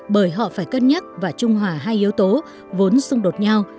bởi họ phải cân nhắc và trung hòa hai yếu tố vốn xung đột nhau